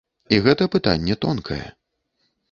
І гэта пытанне тонкае.